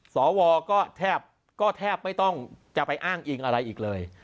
สวก็แทบก็แทบไม่ต้องจะไปอ้างอิงอะไรอีกเลย